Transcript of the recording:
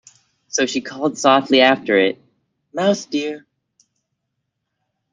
So she called softly after it, ‘Mouse dear!’